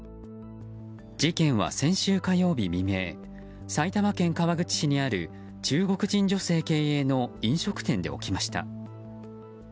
事件は先週火曜日未明埼玉県川口市にある中国人女性経営の飲食店で起きました。